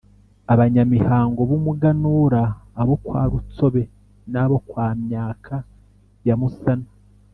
Abanyamihango b’umuganura; abo kwa Rutsobe n’abo kwa Myaka ya Musana.